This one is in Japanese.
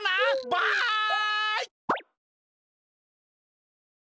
バイ！